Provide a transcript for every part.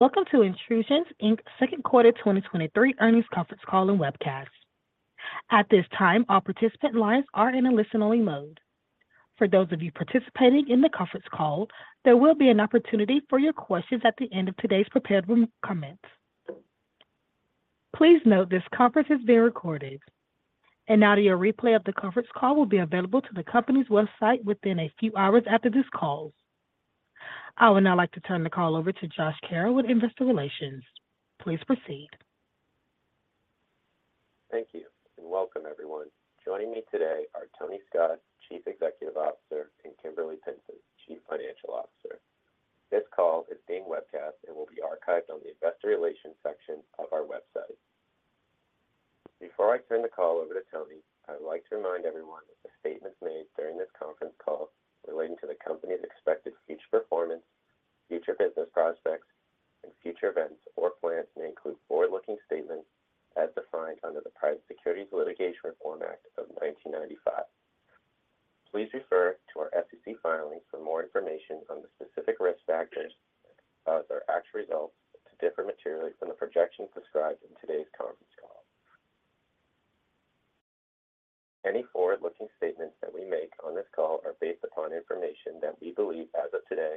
Welcome to Intrusion Inc's Second Quarter 2023 Earnings Conference Call and Webcast. At this time, all participant lines are in a listen-only mode. For those of you participating in the conference call, there will be an opportunity for your questions at the end of today's prepared comments. Please note, this conference is being recorded. An audio replay of the conference call will be available to the company's website within a few hours after this call. I would now like to turn the call over to Josh Carroll with Investor Relations. Please proceed. Thank you, and welcome everyone. Joining me today are Tony Scott, Chief Executive Officer, and Kimberly Pinson, Chief Financial Officer. This call is being webcasted and will be archived on the Investor Relations section of our website. Before I turn the call over to Tony, I'd like to remind everyone that the statements made during this conference call relating to the company's expected future performance, future business prospects, and future events or plans may include forward-looking statements as defined under the Private Securities Litigation Reform Act of 1995. Please refer to our SEC filings for more information on the specific risk factors that our actual results to differ materially from the projections described in today's conference call. Any forward-looking statements that we make on this call are based upon information that we believe as of today,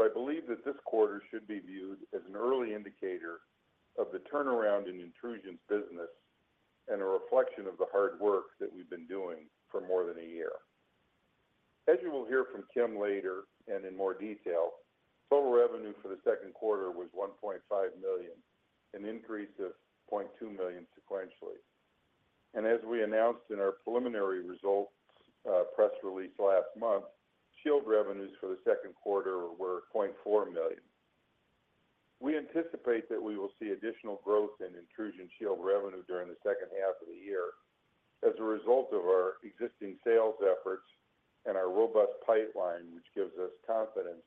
I believe that this quarter should be viewed as an early indicator of the turnaround in Intrusion's business and a reflection of the hard work that we've been doing for more than a year. As you will hear from Kim later, and in more detail, total revenue for the second quarter was $1.5 million, an increase of $0.2 million sequentially. As we announced in our preliminary results, press release last month, Shield revenues for the second quarter were $0.4 million. We anticipate that we will see additional growth in Intrusion Shield revenue during the second half of the year as a result of our existing sales efforts and our robust pipeline, which gives us confidence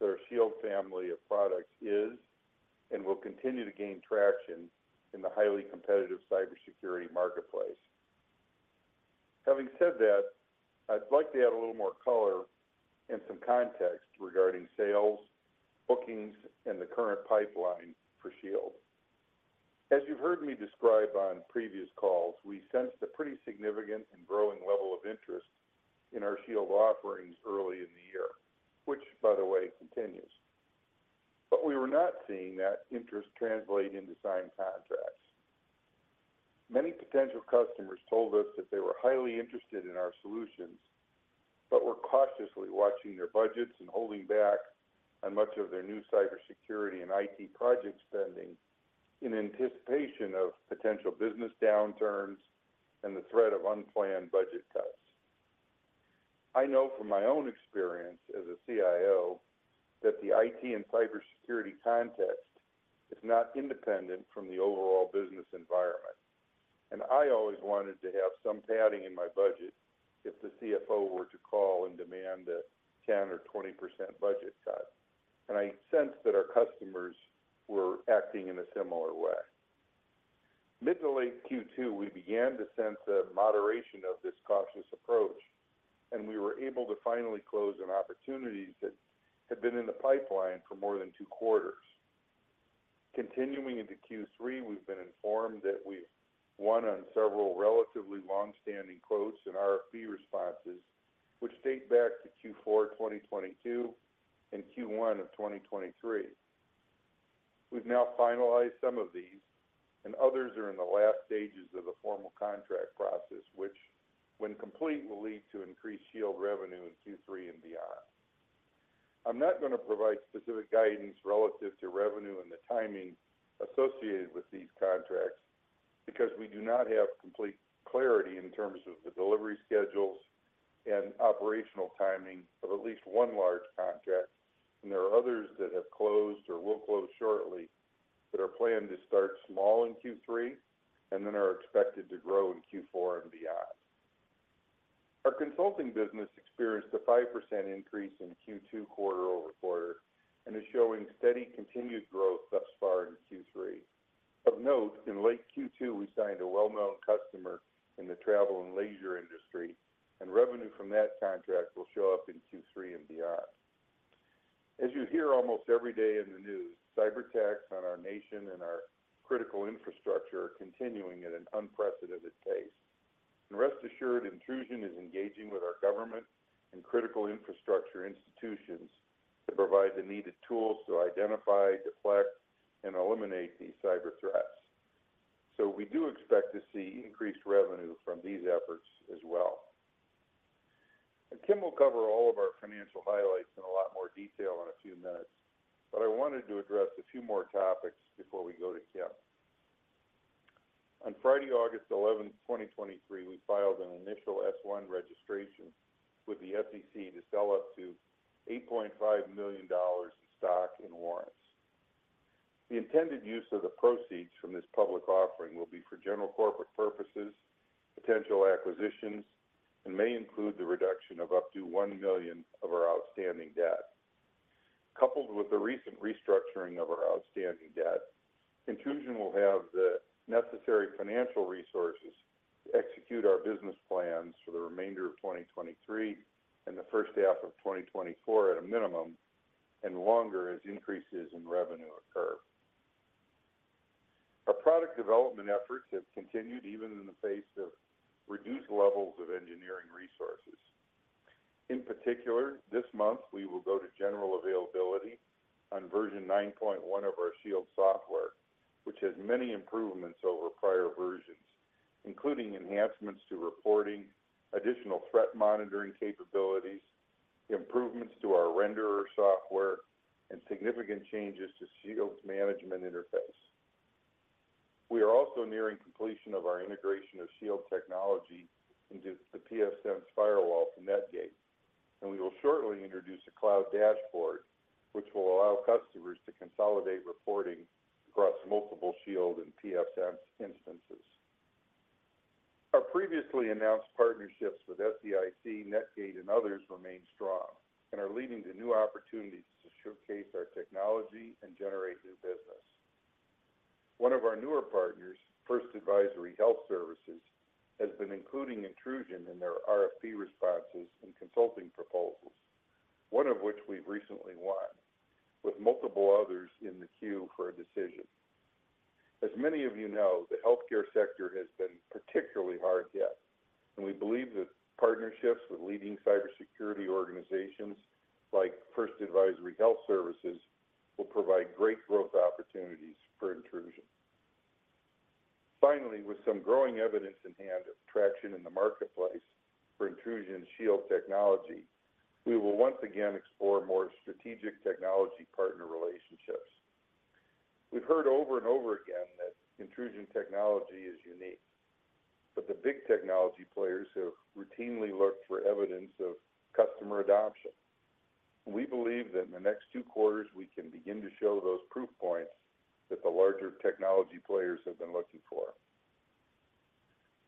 that our Shield family of products is, and will continue to gain traction in the highly competitive cybersecurity marketplace. Having said that, I'd like to add a little more color and some context regarding sales, bookings, and the current pipeline for Shield. As you've heard me describe on previous calls, we sensed a pretty significant and growing level of interest in our Shield offerings early in the year, which, by the way, continues. We were not seeing that interest translate into signed contracts. Many potential customers told us that they were highly interested in our solutions, but were cautiously watching their budgets and holding back on much of their new cybersecurity and IT project spending in anticipation of potential business downturns and the threat of unplanned budget cuts. I know from my own experience as a CIO, that the IT and cybersecurity context is not independent from the overall business environment. I always wanted to have some padding in my budget if the CFO were to call and demand a 10% or 20% budget cut. I sensed that our customers were acting in a similar way. Mid to late Q2, we began to sense a moderation of this cautious approach, and we were able to finally close on opportunities that had been in the pipeline for more than two quarters. Continuing into Q3, we've been informed that we won on several relatively long-standing quotes and RFP responses, which date back to Q4 2022 and Q1 of 2023. We've now finalized some of these, and others are in the last stages of the formal contract process, which when complete, will lead to increased Shield revenue in Q3 and beyond. I'm not going to provide specific guidance relative to revenue and the timing associated with these contracts, because we do not have complete clarity in terms of the delivery schedules and operational timing of at least one large contract, and there are others that have closed or will close shortly, that are planned to start small in Q3, and then are expected to grow in Q4 and beyond. Our consulting business experienced a 5% increase in Q2 quarter-over-quarter, is showing steady continued growth thus far into Q3. Of note, in late Q2, we signed a well-known customer in the travel and leisure industry, revenue from that contract will show up in Q3 and beyond. As you hear almost every day in the news, cyberattacks on our nation and our critical infrastructure are continuing at an unprecedented pace. Rest assured, Intrusion is engaging with our government and critical infrastructure institutions to provide the needed tools to identify, deflect, and eliminate these cyber threats. We do expect to see increased revenue from these efforts as well. Kim will cover all of our financial highlights in a lot more detail in a few minutes, I wanted to address a few more topics before we go to Kim. On Friday, August 11, 2023, we filed an initial S-1 registration with the SEC to sell up to $8.5 million in stock and warrants. The intended use of the proceeds from this public offering will be for general corporate purposes, potential acquisitions, and may include the reduction of up to $1 million of our outstanding debt. Coupled with the recent restructuring of our outstanding debt, Intrusion will have the necessary financial resources to execute our business plans for the remainder of 2023 and the first half of 2024 at a minimum, and longer as increases in revenue occur. Our product development efforts have continued even in the face of reduced levels of engineering resources. In particular, this month, we will go to general availability on Version 9.1 of our Shield software, which has many improvements over prior versions, including enhancements to reporting, additional threat monitoring capabilities, improvements to our renderer software, and significant changes to Shield's management interface. We are also nearing completion of our integration of Shield technology into the pfSense firewall from Netgate, and we will shortly introduce a cloud dashboard, which will allow customers to consolidate reporting across multiple Shield and pfSense instances. Our previously announced partnerships with SAIC, Netgate, and others remain strong and are leading to new opportunities to showcase our technology and generate new business. One of our newer partners, First Advisory Health Services, has been including Intrusion in their RFP responses and consulting proposals, one of which we've recently won, with multiple others in the queue for a decision. As many of you know, the healthcare sector has been particularly hard hit, and we believe that partnerships with leading cybersecurity organizations like First Advisory Health Services, will provide great growth opportunities for Intrusion. Finally, with some growing evidence in hand of traction in the marketplace for Intrusion Shield technology, we will once again explore more strategic technology partner relationships. We've heard over and over again that Intrusion technology is unique, but the big technology players have routinely looked for evidence of customer adoption. We believe that in the next 2 quarters, we can begin to show those proof points that the larger technology players have been looking for.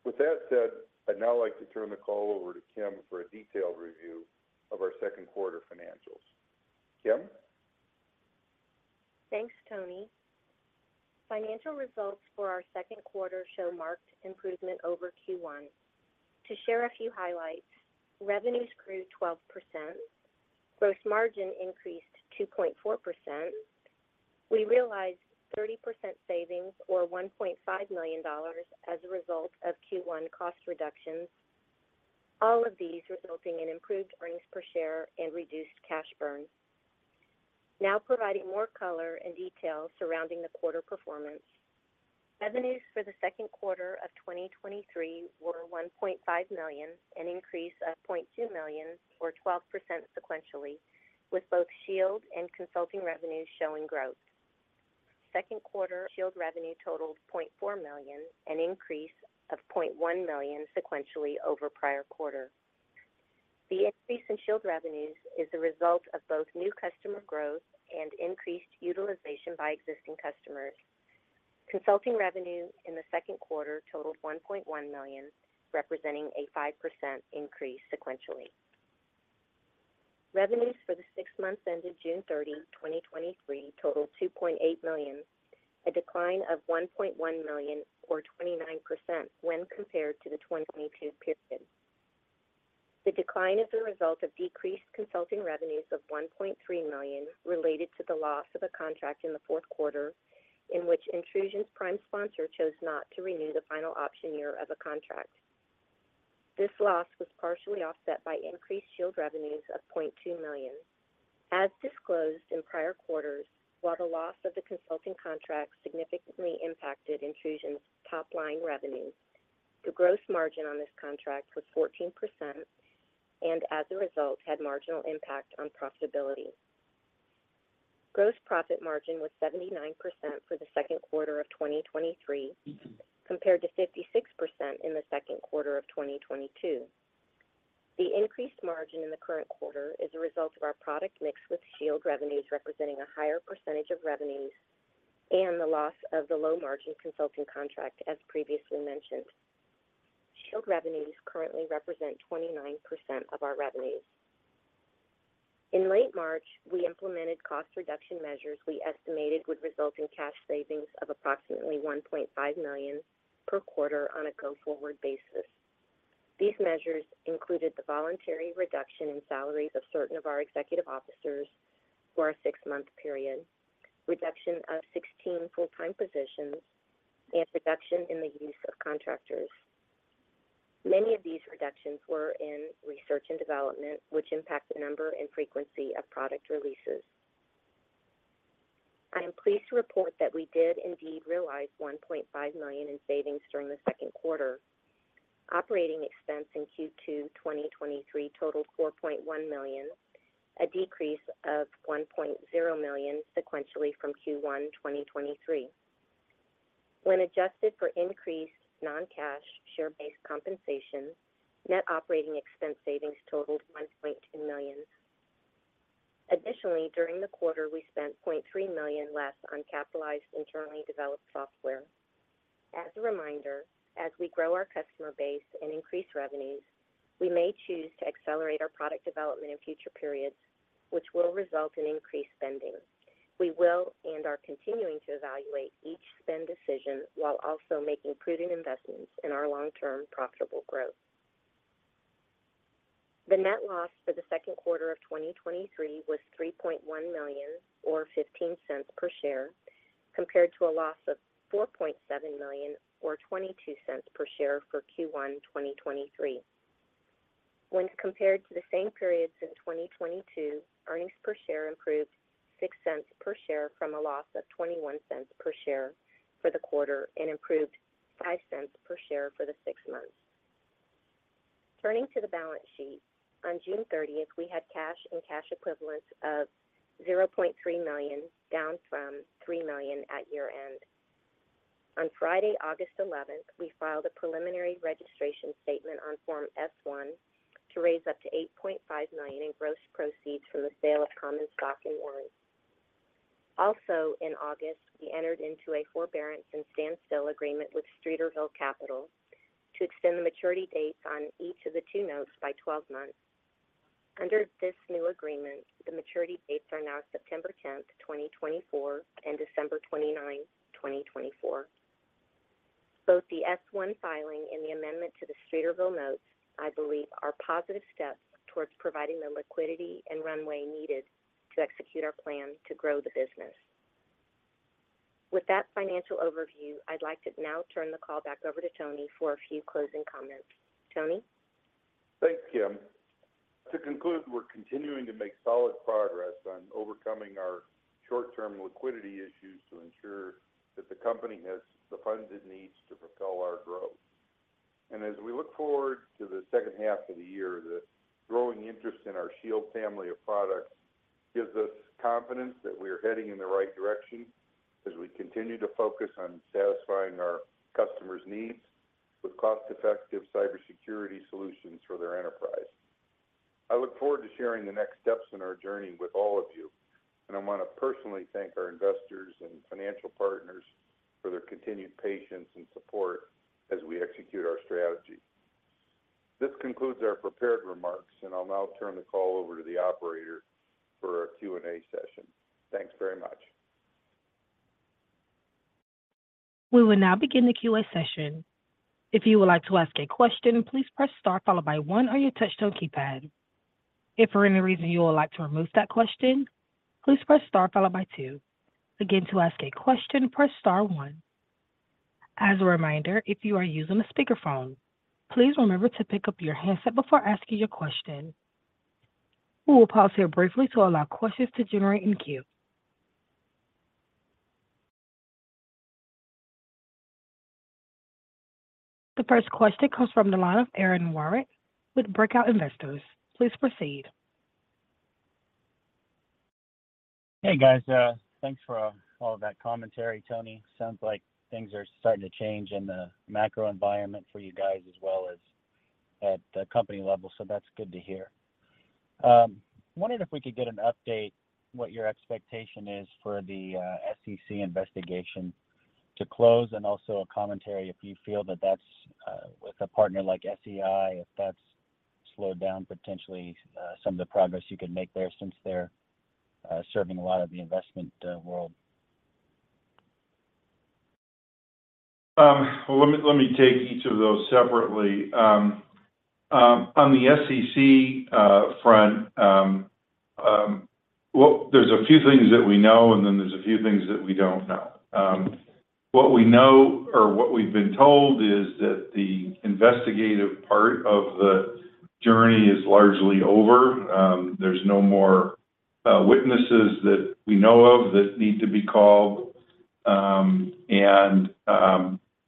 With that said, I'd now like to turn the call over to Kim for a detailed review of our second quarter financials. Kim? Thanks, Tony. Financial results for our second quarter show marked improvement over Q1. To share a few highlights, revenues grew 12%. Gross margin increased 2.4%. We realized 30% savings or $1.5 million as a result of Q1 cost reductions, all of these resulting in improved earnings per share and reduced cash burn. Providing more color and detail surrounding the quarter performance. Revenues for the second quarter of 2023 were $1.5 million, an increase of $0.2 million, or 12% sequentially, with both Shield and consulting revenues showing growth. Second quarter Shield revenue totaled $0.4 million, an increase of $0.1 million sequentially over prior quarter. The increase in Shield revenues is a result of both new customer growth and increased utilization by existing customers. Consulting revenue in the second quarter totaled $1.1 million, representing a 5% increase sequentially. Revenues for the six months ended June 30, 2023, totaled $2.8 million, a decline of $1.1 million, or 29%, when compared to the 2022 period. The decline is a result of decreased consulting revenues of $1.3 million, related to the loss of a contract in the fourth quarter, in which Intrusion's prime sponsor chose not to renew the final option year of a contract. This loss was partially offset by increased Shield revenues of $0.2 million. As disclosed in prior quarters, while the loss of the consulting contract significantly impacted Intrusion's top-line revenues. The gross margin on this contract was 14%, and as a result, had marginal impact on profitability. Gross profit margin was 79% for the second quarter of 2023, compared to 56% in the second quarter of 2022. The increased margin in the current quarter is a result of our product mix, with Shield revenues representing a higher percentage of revenues and the loss of the low-margin consulting contract as previously mentioned. Shield revenues currently represent 29% of our revenues. In late March, we implemented cost reduction measures we estimated would result in cash savings of approximately $1.5 million per quarter on a go-forward basis. These measures included the voluntary reduction in salaries of certain of our executive officers for a six-month period, reduction of 16 full-time positions, and reduction in the use of contractors. Many of these reductions were in research and development, which impact the number and frequency of product releases. I am pleased to report that we did indeed realize $1.5 million in savings during the second quarter. Operating expense in Q2 2023 totaled $4.1 million, a decrease of $1.0 million sequentially from Q1 2023. When adjusted for increased non-cash share-based compensation, net operating expense savings totaled $1.2 million. Additionally, during the quarter, we spent $0.3 million less on capitalized internally developed software. As a reminder, as we grow our customer base and increase revenues, we may choose to accelerate our product development in future periods, which will result in increased spending. We will, and are continuing to evaluate each spend decision while also making prudent investments in our long-term profitable growth. The net loss for the second quarter of 2023 was $3.1 million, or $0.15 per share, compared to a loss of $4.7 million or $0.22 per share for Q1 2023. When compared to the same periods in 2022, earnings per share improved $0.06 per share from a loss of $0.21 per share for the quarter and improved $0.05 per share for the six months. Turning to the balance sheet, on June 30th, we had cash and cash equivalents of $0.3 million, down from $3 million at year-end. On Friday, August 11th, we filed a preliminary registration statement on Form S-1 to raise up to $8.5 million in gross proceeds from the sale of common stock and warrants. Also, in August, we entered into a forbearance and standstill agreement with Streeterville Capital to extend the maturity dates on each of the two notes by 12 months. Under this new agreement, the maturity dates are now September 10th, 2024, and December 29th, 2024. Both the S-1 filing and the amendment to the Streeterville notes, I believe, are positive steps towards providing the liquidity and runway needed to execute our plan to grow the business. With that financial overview, I'd like to now turn the call back over to Tony for a few closing comments. Tony? Thanks, Kim. To conclude, we're continuing to make solid progress on overcoming our short-term liquidity issues to ensure that the company has the funds it needs to propel our growth. As we look forward to the second half of the year, the growing interest in our Shield family of products gives us confidence that we are heading in the right direction as we continue to focus on satisfying our customers' needs with cost-effective cybersecurity solutions for their enterprise. I look forward to sharing the next steps in our journey with all of you, and I want to personally thank our investors and financial partners for their continued patience and support as we execute our strategy. This concludes our prepared remarks, and I'll now turn the call over to the operator for our Q&A session. Thanks very much. We will now begin the Q&A session. If you would like to ask a question, please press star followed by one on your touchtone keypad. If for any reason you would like to remove that question, please press star followed by two. Again, to ask a question, press star one. As a reminder, if you are using a speakerphone, please remember to pick up your handset before asking your question. We will pause here briefly to allow questions to generate in queue. The first question comes from the line of Aaron Warwick with Breakout Investors. Please proceed. Hey, guys, thanks for all of that commentary, Tony. Sounds like things are starting to change in the macro environment for you guys, as well as at the company level, so that's good to hear. Wondering if we could get an update, what your expectation is for the SEC investigation to close, and also a commentary if you feel that that's with a partner like SEI, if that's slowed down potentially, some of the progress you could make there since they're serving a lot of the investment, world? Well, let me, let me take each of those separately. On the SEC front, well, there's a few things that we know, and then there's a few things that we don't know. What we know or what we've been told, is that the investigative part of the journey is largely over. There's no more witnesses that we know of that need to be called.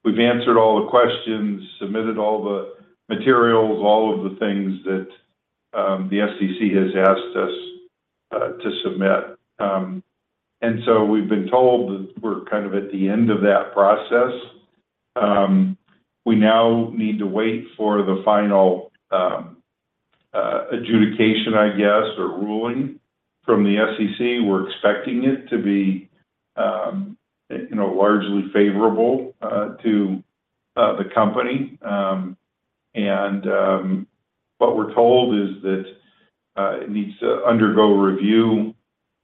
We've answered all the questions, submitted all the materials, all of the things that the SEC has asked us to submit. We've been told that we're kind of at the end of that process. We now need to wait for the final adjudication, I guess, or ruling from the SEC. We're expecting it to be, you know, largely favorable to the company. What we're told is that it needs to undergo review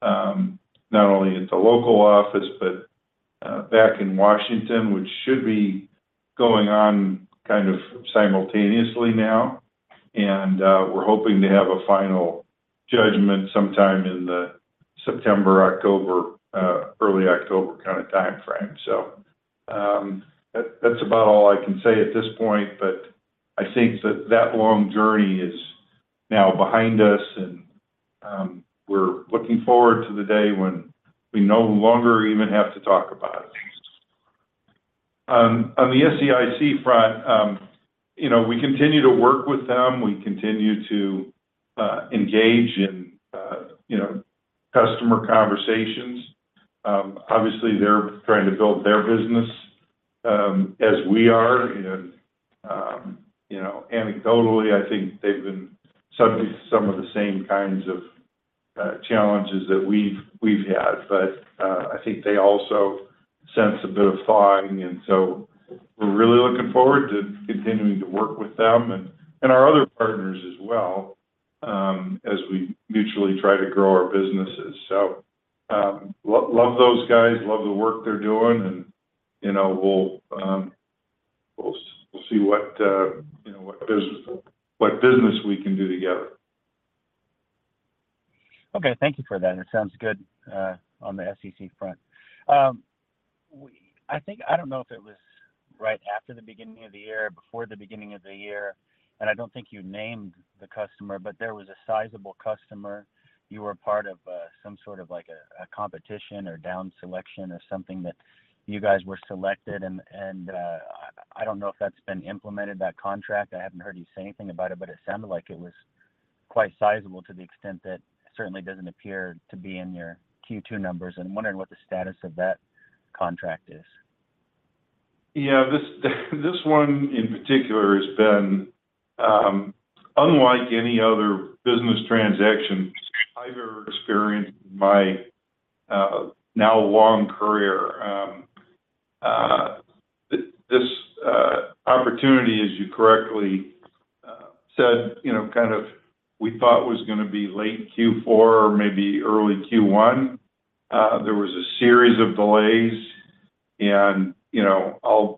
not only at the local office, but back in Washington, which should be going on kind of simultaneously now. We're hoping to have a final judgment sometime in the September, October, early October kind of timeframe. That, that's about all I can say at this point, but I think that that long journey is now behind us, and we're looking forward to the day when we no longer even have to talk about it. On the SAIC front, you know, we continue to work with them. We continue to engage in, you know, customer conversations. Obviously, they're trying to build their business, as we are, and, you know, anecdotally, I think they've been subject to some of the same kinds of challenges that we've, we've had. I think they also sense a bit of thawing, and we're really looking forward to continuing to work with them and, and our other partners as well, as we mutually try to grow our businesses. Love those guys, love the work they're doing, and, you know, we'll, we'll see what, you know, what business, what business we can do together. Okay, thank you for that. It sounds good on the SEC front. We I think, I don't know if it was right after the beginning of the year or before the beginning of the year, and I don't think you named the customer, but there was a sizable customer. You were part of some sort of like a competition or down selection or something that you guys were selected, and I don't know if that's been implemented, that contract. I haven't heard you say anything about it, but it sounded like it was quite sizable to the extent that it certainly doesn't appear to be in your Q2 numbers. I'm wondering what the status of that contract is? Yeah, this, this one in particular has been, unlike any other business transaction I've ever experienced in my now long career. This opportunity, as you correctly said, you know, kind of we thought was gonna be late Q4 or maybe early Q1. There was a series of delays and, you know,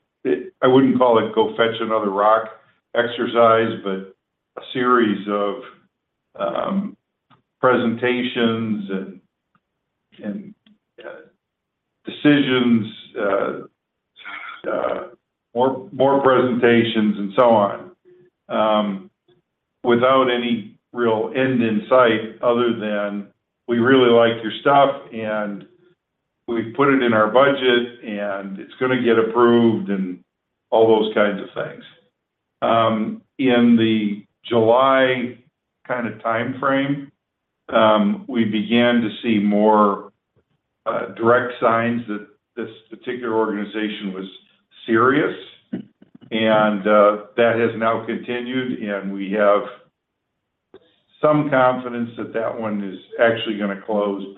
I wouldn't call it go fetch another rock exercise, but a series of presentations and decisions, more presentations and so on. Without any real end in sight, other than, "We really like your stuff, and we've put it in our budget, and it's gonna get approved," and all those kinds of things. In the July kind of timeframe, we began to see more direct signs that this particular organization was serious. That has now continued, and we have some confidence that that one is actually gonna close.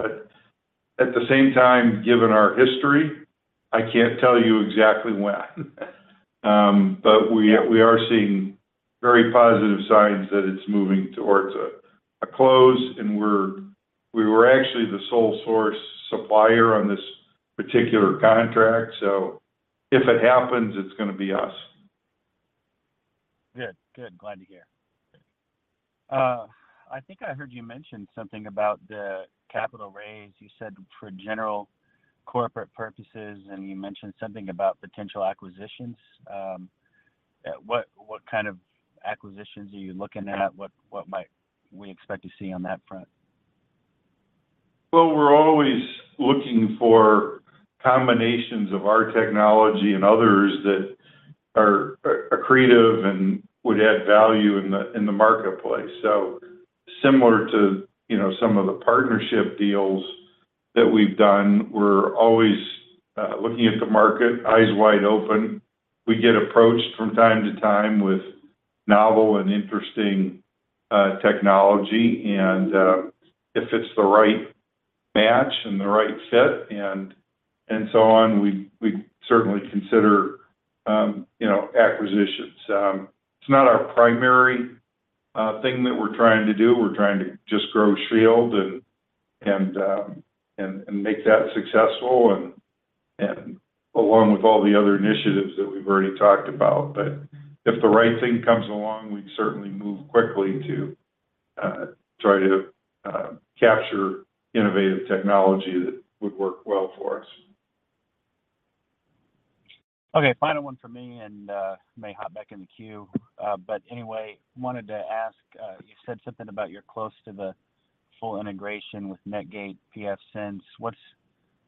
At the same time, given our history, I can't tell you exactly when. but we are seeing very positive signs that it's moving towards a, a close. We were actually the sole source supplier on this particular contract. If it happens, it's gonna be us. Good. Good, glad to hear. I think I heard you mention something about the capital raise you said for general corporate purposes, and you mentioned something about potential acquisitions. What, what kind of acquisitions are you looking at? What, what might we expect to see on that front? Well, we're always looking for combinations of our technology and others that are, are creative and would add value in the, in the marketplace. Similar to, you know, some of the partnership deals that we've done, we're always, looking at the market, eyes wide open. We get approached from time to time with novel and interesting, technology, and, if it's the right match and the right fit and, and so on, we, we certainly consider, you know, acquisitions. It's not our primary, thing that we're trying to do. We're trying to just grow Shield and make that successful and, and along with all the other initiatives that we've already talked about. If the right thing comes along, we'd certainly move quickly to, try to, capture innovative technology that would work well for us. Okay, final one for me, may hop back in the queue. Anyway, wanted to ask, you said something about you're close to the full integration with Netgate pfSense. What's,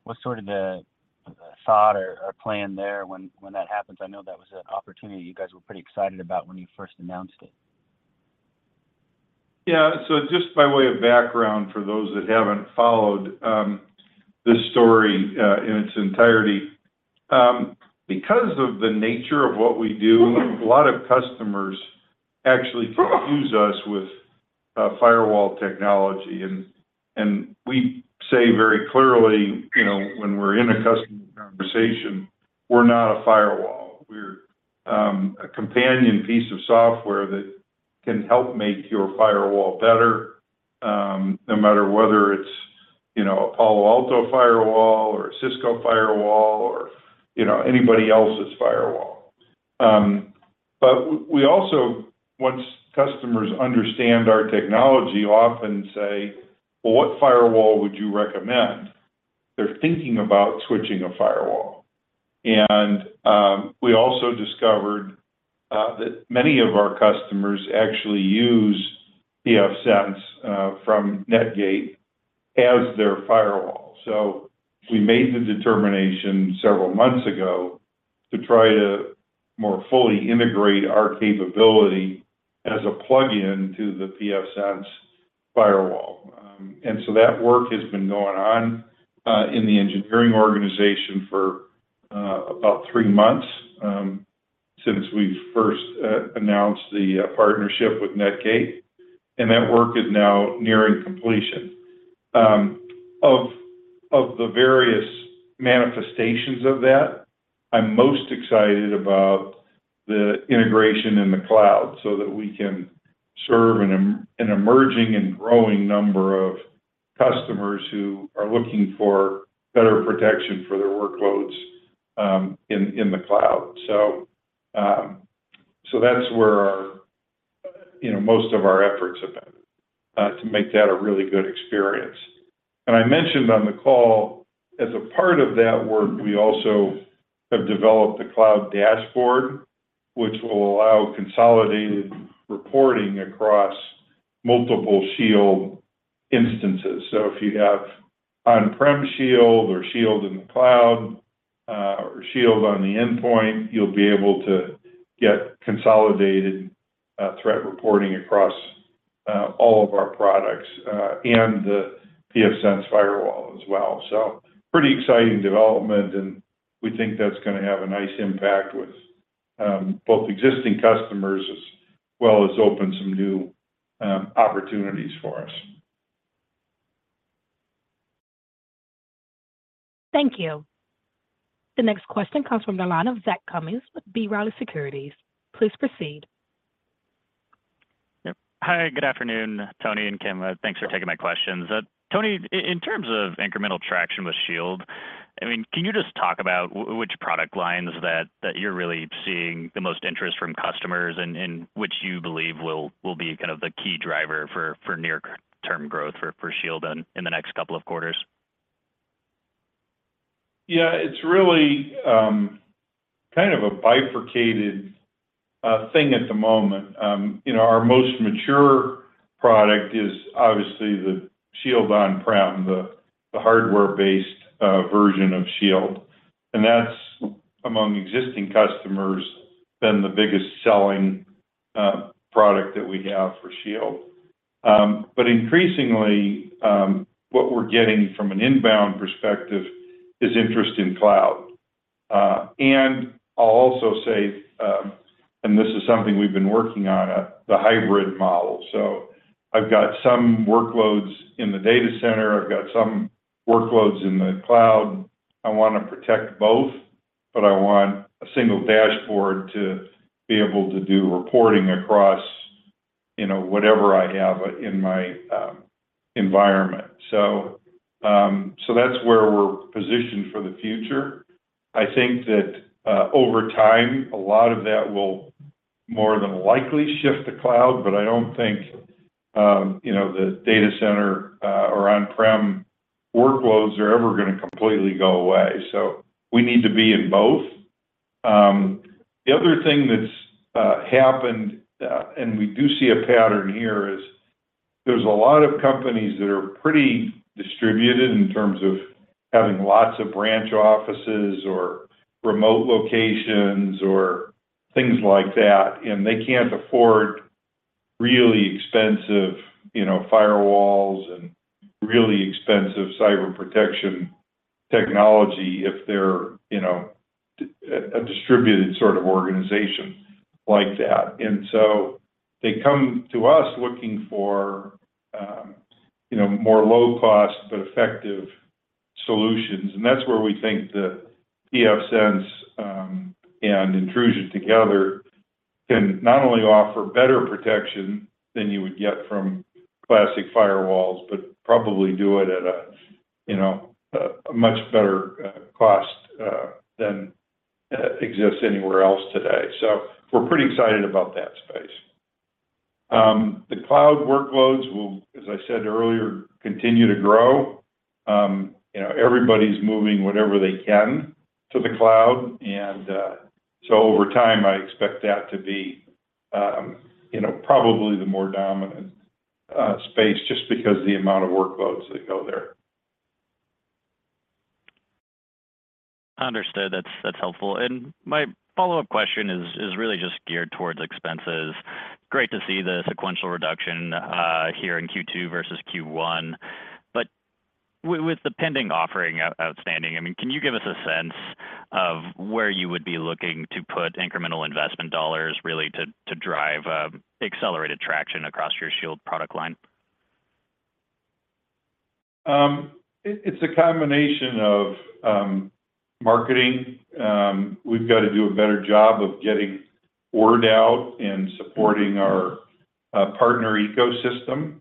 what's sort of the, the thought or, or plan there when, when that happens? I know that was an opportunity you guys were pretty excited about when you first announced it. So just by way of background, for those that haven't followed, this story in its entirety. Because of the nature of what we do, a lot of customers actually confuse us with firewall technology. We say very clearly, you know, when we're in a customer conversation, we're not a firewall. We're a companion piece of software that can help make your firewall better, no matter whether it's, you know, a Palo Alto firewall or a Cisco firewall or, you know, anybody else's firewall. We also, once customers understand our technology, often say, "Well, what firewall would you recommend?" They're thinking about switching a firewall. We also discovered that many of our customers actually use pfSense from Netgate as their firewall. We made the determination several months ago to try to more fully integrate our capability as a plugin to the pfSense firewall. That work has been going on in the engineering organization for about three months, since we first announced the partnership with Netgate, and that work is now nearing completion. Of, of the various manifestations of that, I'm most excited about the integration in the cloud so that we can serve an emerging and growing number of customers who are looking for better protection for their workloads in, in the cloud. So that's where our, you know, most of our efforts have been to make that a really good experience. I mentioned on the call, as a part of that work, we also have developed a cloud dashboard, which will allow consolidated reporting across multiple Shield instances. If you have on-prem Shield or Shield in the cloud, or Shield on the endpoint, you'll be able to get consolidated threat reporting across all of our products and the pfSense firewall as well. Pretty exciting development, and we think that's gonna have a nice impact with both existing customers, as well as open some new opportunities for us. Thank you. The next question comes from the line of Zach Cummins with B Riley Securities. Please proceed. Yep. Hi, good afternoon, Tony and Kim. Thanks for taking my questions. Tony, in terms of incremental traction with Shield, I mean, can you just talk about which product lines that, that you're really seeing the most interest from customers, and, and which you believe will, will be kind of the key driver for, for near term growth for, for Shield in, in the next couple of quarters? Yeah, it's really, kind of a bifurcated thing at the moment. You know, our most mature product is obviously the Shield on-prem, the, the hardware-based version of Shield. That's, among existing customers, been the biggest-selling product that we have for Shield. Increasingly, what we're getting from an inbound perspective is interest in cloud. I'll also say, and this is something we've been working on, the hybrid model. I've got some workloads in the data center, I've got some workloads in the cloud. I want to protect both, but I want a single dashboard to be able to do reporting across, you know, whatever I have in my environment. That's where we're positioned for the future. I think that, over time, a lot of that will more than likely shift to cloud, but I don't think, you know, the data center, or on-prem workloads are ever gonna completely go away, so we need to be in both. The other thing that's happened, and we do see a pattern here, is there's a lot of companies that are pretty distributed in terms of having lots of branch offices or remote locations or things like that, and they can't afford really expensive, you know, firewalls and really expensive cyber protection technology if they're, you know a distributed sort of organization like that. So they come to us looking for, you know, more low-cost but effective solutions. That's where we think the pfSense and Intrusion together can not only offer better protection than you would get from classic firewalls, but probably do it at a, you know, a much better cost than exists anywhere else today. We're pretty excited about that space. The cloud workloads will, as I said earlier, continue to grow. You know, everybody's moving whatever they can to the cloud, and, so over time, I expect that to be, you know, probably the more dominant space just because of the amount of workloads that go there. Understood. That's, that's helpful. My follow-up question is, is really just geared towards expenses. Great to see the sequential reduction here in Q2 versus Q1, but with the pending offering outstanding, I mean, can you give us a sense of where you would be looking to put incremental investment dollars really to, to drive accelerated traction across your Shield product line? It's a combination of marketing. We've got to do a better job of getting word out and supporting our partner ecosystem.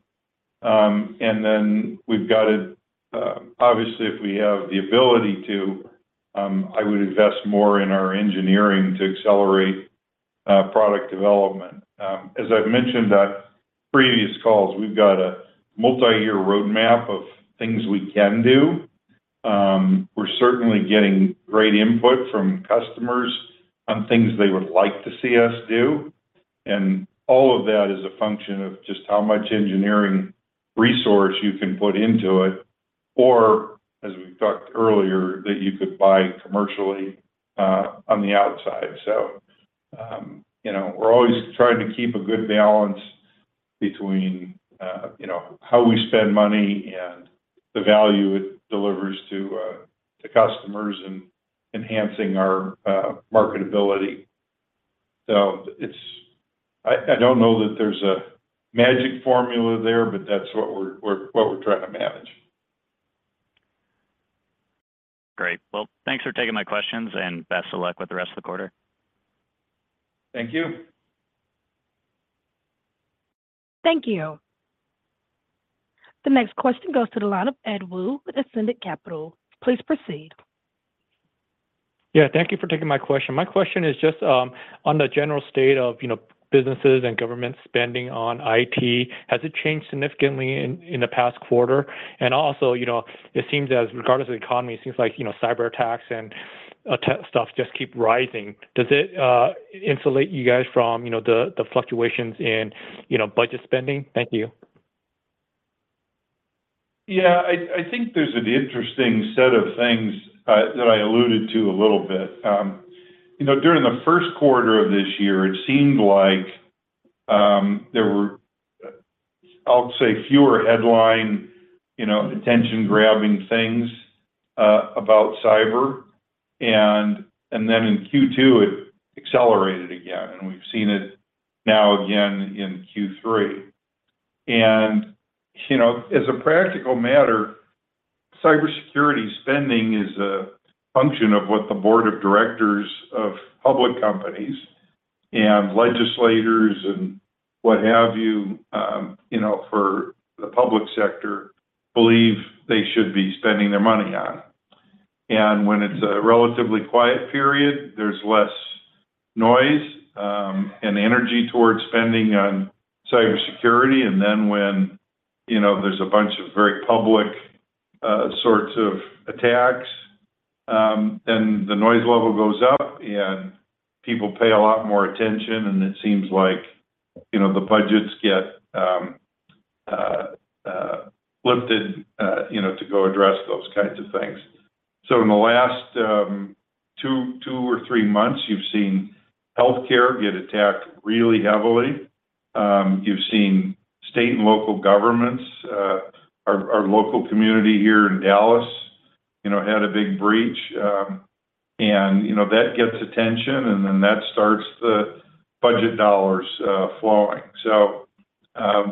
Then we've got to, obviously, if we have the ability to, I would invest more in our engineering to accelerate product development. As I've mentioned on previous calls, we've got a multiyear roadmap of things we can do. We're certainly getting great input from customers on things they would like to see us do, and all of that is a function of just how much engineering resource you can put into it, or, as we talked earlier, that you could buy commercially on the outside. You know, we're always trying to keep a good balance between, you know, how we spend money and the value it delivers to the customers and enhancing our marketability. I don't know that there's a magic formula there, but that's what we're what we're trying to manage. Great. Well, thanks for taking my questions, and best of luck with the rest of the quarter. Thank you. Thank you. The next question goes to the line of Ed Woo with Ascendiant Capital. Please proceed. Yeah, thank you for taking my question. My question is just on the general state of, you know, businesses and government spending on IT, has it changed significantly in, in the past quarter? You know, it seems as regardless of the economy, it seems like, you know, cyberattacks and tech stuff just keep rising. Does it insulate you guys from, you know, the fluctuations in, you know, budget spending? Thank you. Yeah, I think there's an interesting set of things that I alluded to a little bit. You know, during the first quarter of this year, it seemed like there were, I'll say, fewer headline, you know, attention-grabbing things about cyber, and then in Q2, it accelerated again, and we've seen it now again in Q3. You know, as a practical matter, cybersecurity spending is a function of what the board of directors of public companies and legislators and what have you, you know, for the public sector, believe they should be spending their money on. When it's a relatively quiet period, there's less noise and energy towards spending on cybersecurity. Then when, you know, there's a bunch of very public, sorts of attacks, then the noise level goes up, and people pay a lot more attention, and it seems like, you know, the budgets get lifted, you know, to go address those kinds of things. In the last, two or three months, you've seen healthcare get attacked really heavily. You've seen state and local governments, our, our local community here in Dallas, you know, had a big breach. Then, you know, that gets attention, and then that starts the budget dollars flowing.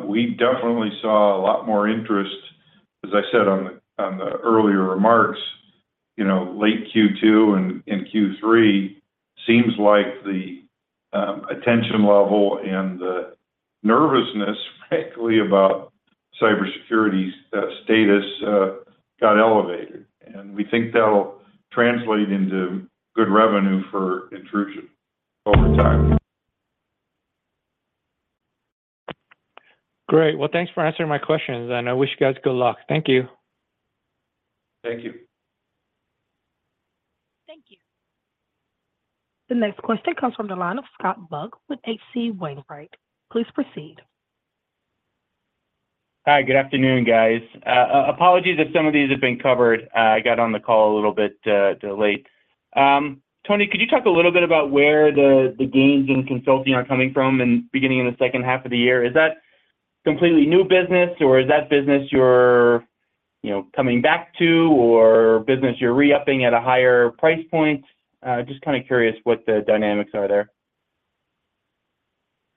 We definitely saw a lot more interest, as I said on the, on the earlier remarks, you know, late Q2 and in Q3, seems like the attention level and the nervousness, frankly, about cybersecurity status got elevated, and we think that'll translate into good revenue for Intrusion over time. Great. Well, thanks for answering my questions, and I wish you guys good luck. Thank you. Thank you. Thank you. The next question comes from the line of Scott Buck with HC Wainwright. Please proceed. Hi, good afternoon, guys. Apologies if some of these have been covered. I got on the call a little bit late. Tony, could you talk a little bit about where the gains in consulting are coming from in the beginning of the second half of the year? Is that completely new business, or is that business you're, you know, coming back to or business you're re-upping at a higher price point? Just kinda curious what the dynamics are there.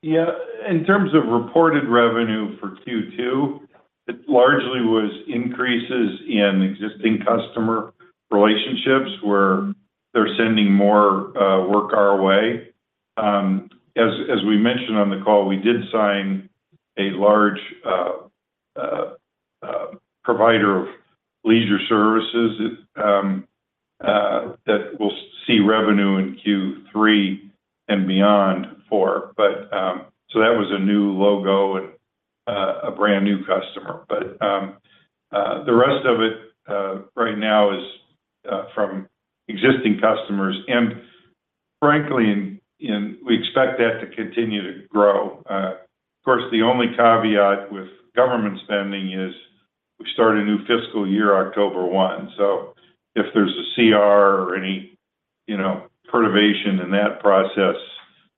Yeah. In terms of reported revenue for Q2, it largely was increases in existing customer relationships, where they're sending more work our way. As, as we mentioned on the call, we did sign a large provider of leisure services that we'll see revenue in Q3 and beyond for. So that was a new logo and a brand-new customer. The rest of it right now is from existing customers, and frankly, and, and we expect that to continue to grow. Of course, the only caveat with government spending is we start a new fiscal year, October 1. If there's a CR or any, you know, perturbation in that process,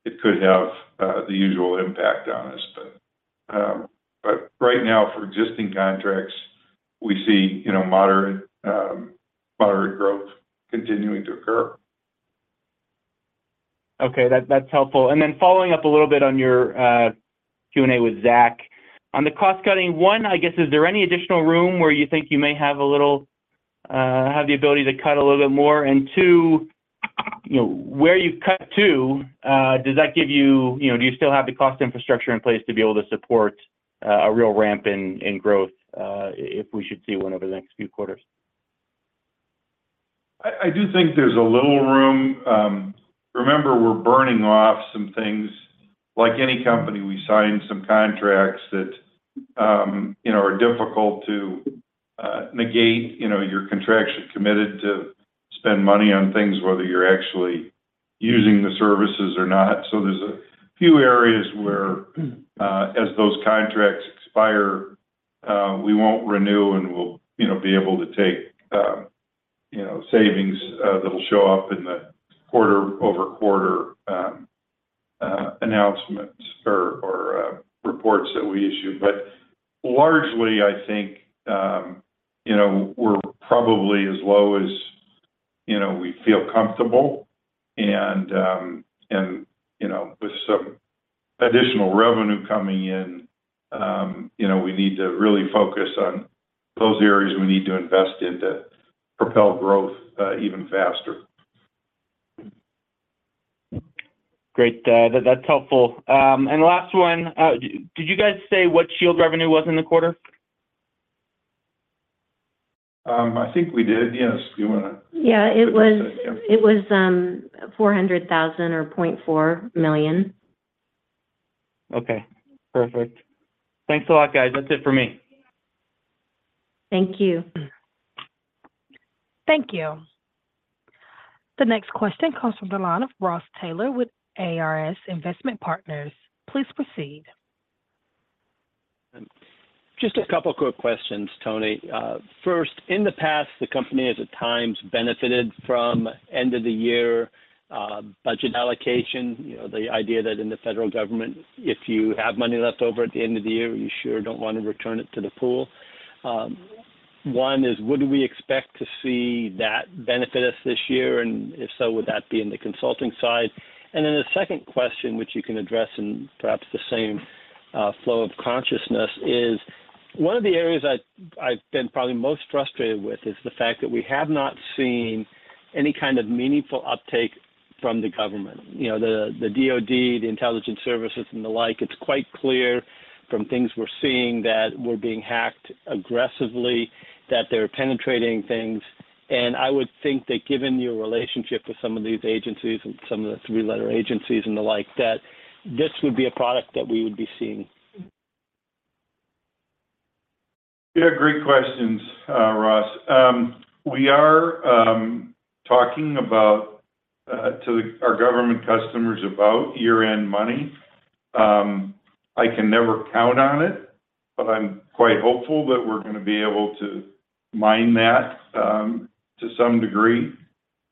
it could have the usual impact on us. Right now, for existing contracts, we see, you know, moderate, moderate growth continuing to occur. Okay, that, that's helpful. Following up a little bit on your Q&A with Zach. On the cost-cutting one, I guess, is there any additional room where you think you may have a little, have the ability to cut a little bit more? Two, you know, where you cut to, does that give you, you know, do you still have the cost infrastructure in place to be able to support a real ramp in, in growth, if we should see one over the next few quarters? I do think there's a little room. Remember, we're burning off some things. Like any company, we signed some contracts that, you know, are difficult to negate. You know, your contracts are committed to spend money on things, whether you're actually using the services or not. There's a few areas where, as those contracts expire, we won't renew, and we'll, you know, be able to take, you know, savings that'll show up in the quarter-over-quarter announcements or reports that we issue. Largely, I think, you know, we're probably as low as, you know, we feel comfortable. And, you know, with some additional revenue coming in, you know, we need to really focus on those areas we need to invest in to propel growth even faster. Great. That's helpful. Last one, did you guys say what Shield revenue was in the quarter? I think we did. Yes, do you wanna- Yeah, it was... Yeah. It was, $400,000 or $0.4 million. Okay, perfect. Thanks a lot, guys. That's it for me. Thank you. Thank you. The next question comes from the line of Ross Taylor with ARS Investment Partners. Please proceed. Just a couple quick questions, Tony. First, in the past, the company has at times benefited from end-of-the-year budget allocation. You know, the idea that in the federal government, if you have money left over at the end of the year, you sure don't want to return it to the pool. One is, would we expect to see that benefit us this year? If so, would that be in the consulting side? Then the second question, which you can address in perhaps the same flow of consciousness, is one of the areas I've been probably most frustrated with is the fact that we have not seen any kind of meaningful uptake from the government. You know, the DOD, the intelligence services, and the like. It's quite clear from things we're seeing that we're being hacked aggressively, that they're penetrating things. I would think that given your relationship with some of these agencies and some of the three-letter agencies and the like, that this would be a product that we would be seeing. Yeah, great questions, Ross. We are talking about to our government customers about year-end money. I can never count on it, but I'm quite hopeful that we're gonna be able to mine that to some degree.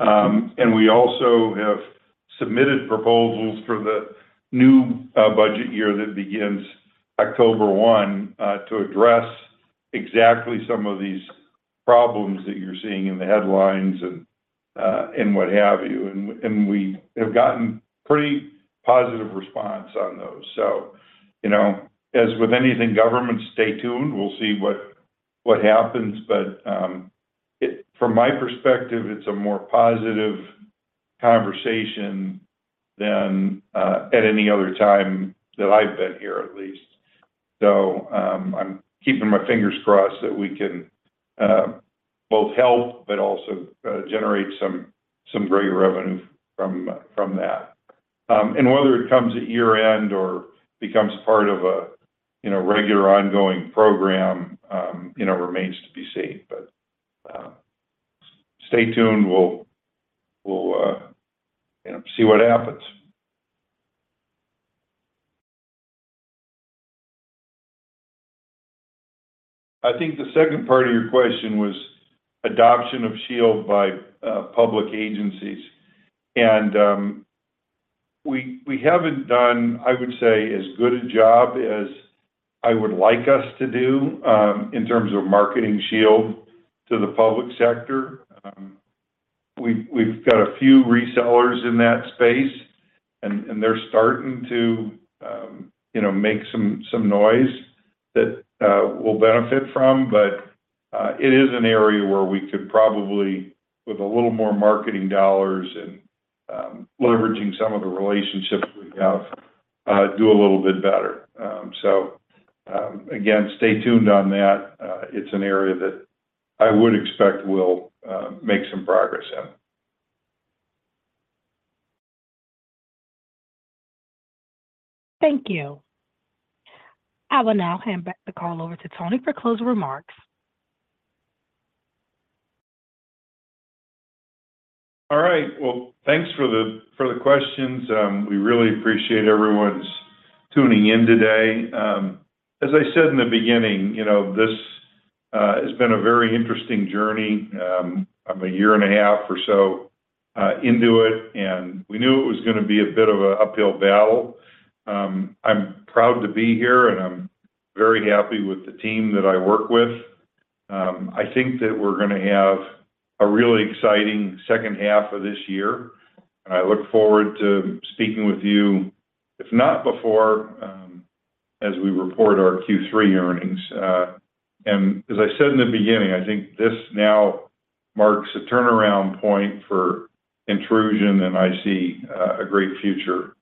We also have submitted proposals for the new budget year that begins October 1 to address exactly some of these problems that you're seeing in the headlines and what have you. We have gotten pretty positive response on those. You know, as with anything government, stay tuned. We'll see what, what happens. From my perspective, it's a more positive conversation than at any other time that I've been here, at least. I'm keeping my fingers crossed that we can both help, but also generate some great revenue from that. Whether it comes at year-end or becomes part of a, you know, regular ongoing program, you know, remains to be seen. Stay tuned, we'll, we'll, you know, see what happens. I think the second part of your question was adoption of Shield by public agencies. We, we haven't done, I would say, as good a job as I would like us to do, in terms of marketing Shield to the public sector. We've, we've got a few resellers in that space, and they're starting to, you know, make some, some noise that we'll benefit from. It is an area where we could probably, with a little more marketing dollars and leveraging some of the relationships we have, do a little bit better. Again, stay tuned on that. It's an area that I would expect we'll make some progress in. Thank you. I will now hand back the call over to Tony for closing remarks. All right. Well, thanks for the, for the questions. We really appreciate everyone's tuning in today. As I said in the beginning, you know, this has been a very interesting journey. I'm a year and a half or so into it, and we knew it was gonna be a bit of a uphill battle. I'm proud to be here, and I'm very happy with the team that I work with. I think that we're gonna have a really exciting second half of this year, and I look forward to speaking with you, if not before, as we report our Q3 earnings. As I said in the beginning, I think this now marks a turnaround point for Intrusion, and I see a great future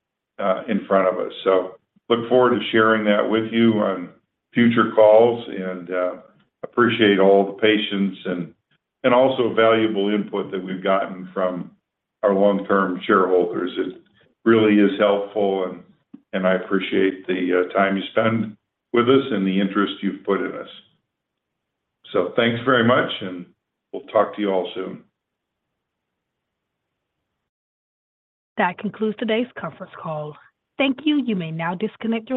in front of us. Look forward to sharing that with you on future calls and appreciate all the patience and, and also valuable input that we've gotten from our long-term shareholders. It really is helpful, and, and I appreciate the time you spend with us and the interest you've put in us. Thanks very much, and we'll talk to you all soon. That concludes today's conference call. Thank you. You may now disconnect your line.